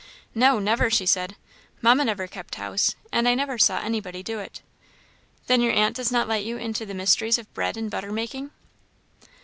"No, never," she said. "Mamma never kept house, and I never saw anybody do it." "Then your aunt does not let you into the mysteries of bread and butter making!"